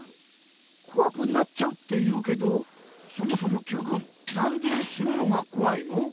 こわくなっちゃうっていうけどそもそもＱくんなんでしぬのがこわいの？